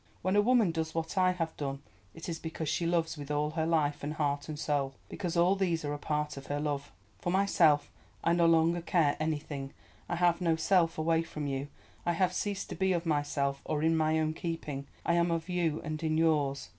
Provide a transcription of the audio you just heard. When a woman does what I have done, it is because she loves with all her life and heart and soul, because all these are a part of her love. For myself, I no longer care anything—I have no self away from you; I have ceased to be of myself or in my own keeping. I am of you and in yours.